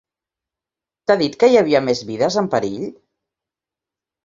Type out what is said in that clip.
T'ha dit que hi havia més vides en perill?